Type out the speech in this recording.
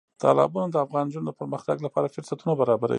تالابونه د افغان نجونو د پرمختګ لپاره فرصتونه برابروي.